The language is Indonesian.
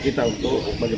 dia tidak meratimi